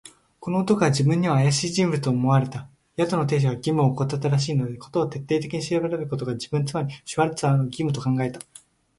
この男は自分にはあやしい人物と思われた。宿の亭主が義務をおこたったらしいので、事を徹底的に調べることが、自分、つまりシュワルツァーの義務と考えた。